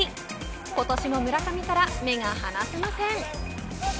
今年も村上から目が離せません。